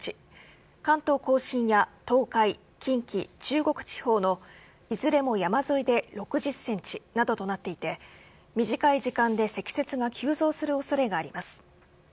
関東甲信や東海、近畿中国地方のいずれも山沿いで６０ｃｍなどとなっていて短い時間で積雪が急増する恐れがあります。